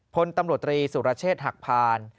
พลตำรวจตรีสุรเชษฐ์หักพาน